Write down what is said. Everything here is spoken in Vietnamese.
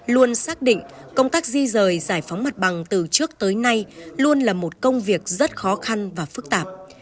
luôn xác định công tác di rời giải phóng mặt bằng từ trước tới nay luôn là một công việc rất khó khăn và phức tạp